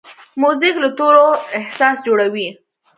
موزیک له تورو احساس جوړوي.